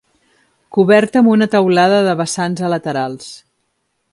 Coberta amb una teulada de vessants a laterals.